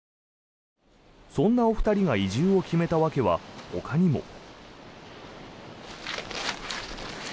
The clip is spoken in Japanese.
そんなお二人が移住を決めた訳はほかにも。